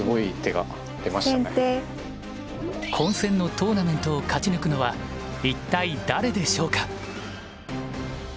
混戦のトーナメントを勝ち抜くのは一体誰でしょうか？